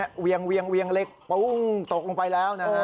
เนี่ยเวียงเวียงเล็กปุ้งตกลงไปแล้วนะฮะ